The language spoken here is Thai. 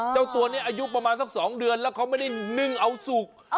เจ้าตัวนี้อายุประมาณสัก๒เดือนแล้วเขาไม่ได้นึ่งเอาสุก